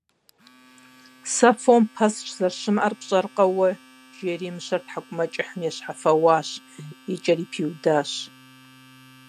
Сэ фом пэсщӏ зэрыщымыӏэр пщӏэркъэ уэ! - жери мыщэр тхьэкӏумэкӏыхьым ещхьэфэуащ, и кӏэри пиудащ.